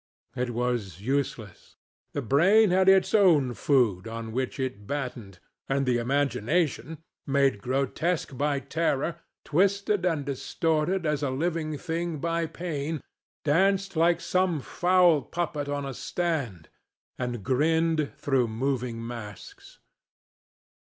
It was useless. The brain had its own food on which it battened, and the imagination, made grotesque by terror, twisted and distorted as a living thing by pain, danced like some foul puppet on a stand and grinned through moving masks.